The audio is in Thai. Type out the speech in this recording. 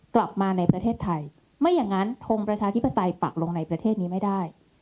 กลับมาในประเทศไทยไม่อย่างนั้นทงประชาธิปไตยปักลงในประเทศนี้ไม่ได้